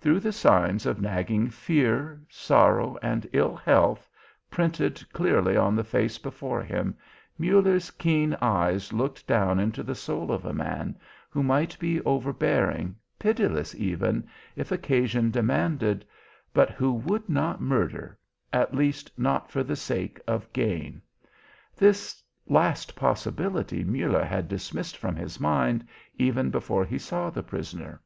Through the signs of nagging fear, sorrow, and ill health, printed clearly on the face before him, Muller's keen eyes looked down into the soul of a man who might be overbearing, pitiless even, if occasion demanded, but who would not murder at least not for the sake of gain. This last possibility Muller had dismissed from his mind, even before he saw the prisoner.